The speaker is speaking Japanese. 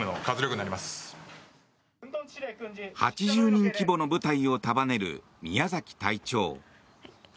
８０人規模の部隊を束ねる宮崎隊長。